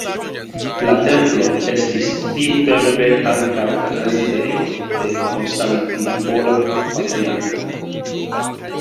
La templo estis tiutempe ankaŭ rezidejo de konstantinopola patriarko.